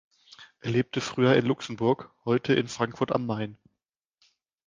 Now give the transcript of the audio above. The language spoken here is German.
Er lebte früher in Luxemburg, heute in Frankfurt am Main.